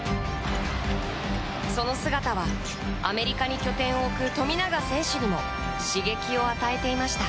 その姿は、アメリカに拠点を置く富永選手にも刺激を与えていました。